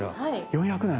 ４００年？